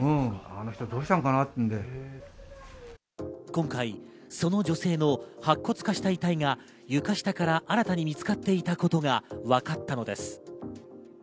今回、その女性の白骨化した遺体が床下から新たに見つかっていたことがわかったのです。